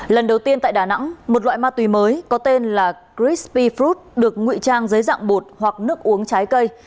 lần đầu tiên tại đà nẵng một loại ma túy mới có tên là crispy fruit được ngụy trang giấy dạng bột hoặc nước uống trái cây